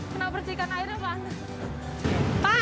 kena percikan airnya panas